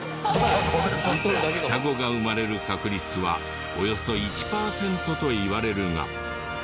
双子が生まれる確率はおよそ１パーセントといわれるが。